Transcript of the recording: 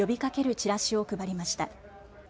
チラシを配りました。